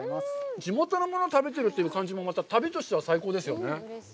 地元のものを食べてるという感じも、旅としては最高ですね。